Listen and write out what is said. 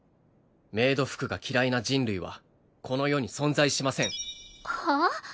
メイド服が嫌いな人類はこの世に存在しませんはあ？